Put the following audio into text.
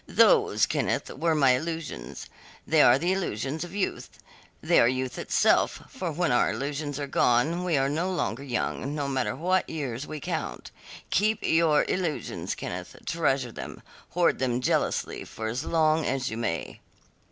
Those, Kenneth, were my illusions. They are the illusions of youth; they are youth itself, for when our illusions are gone we are no longer young no matter what years we count. Keep your illusions, Kenneth; treasure them, hoard them jealously for as long as you may."